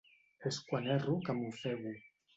És quan erro que m'ofego.